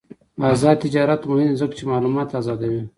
آزاد تجارت مهم دی ځکه چې معلومات آزادوي.